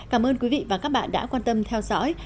cảm ơn quý vị và các bạn đã quan tâm theo dõi